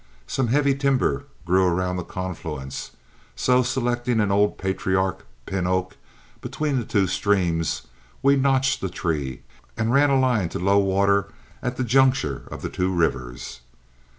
Some heavy timber grew around the confluence, so, selecting an old patriarch pin oak between the two streams, we notched the tree and ran a line to low water at the juncture of the two rivers.